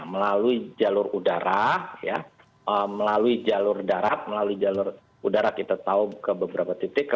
melalui jalur udara melalui jalur darat melalui jalur udara kita tahu ke beberapa titik